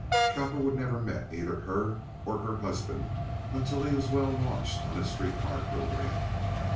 Cowperwood never met either her or her husband until he was well launched on his street car programme.